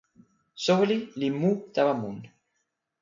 soweli li mu tawa mun.